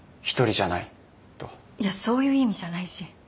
いやそういう意味じゃないし。